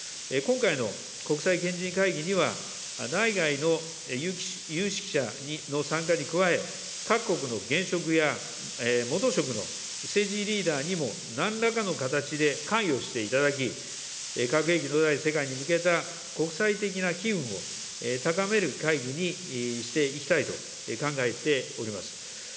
今回の国際賢人会議には、内外の有識者の参加に加え、各国の現職や元職の政治リーダーにもなんらかの形で関与していただき、核兵器のない世界に向けた、国際的な機運を高める会議にしていきたいと考えております。